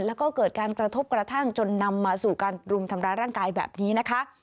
แล้วก็เกิดการกระทบกระทั่งจนนำมาสู่การรุมทำร้ายร่างกายแบบนี้นะคะ